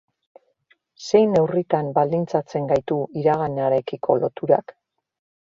Zein neurritan baldintzatzen gaitu iraganarekiko loturak?